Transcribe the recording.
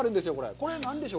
これ、何でしょう？